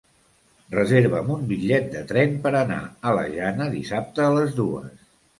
Reserva'm un bitllet de tren per anar a la Jana dissabte a les dues.